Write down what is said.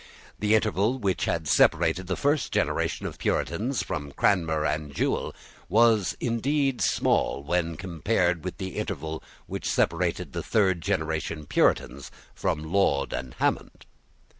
The interval which had separated the first generation of Puritans from Cranmer and Jewel was small indeed when compared with the interval which separated the third generation of Puritans from Laud and Hammond.